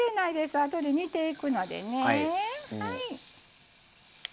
あとで煮ていくのでね。